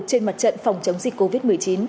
trên mặt trận phòng chống dịch covid một mươi chín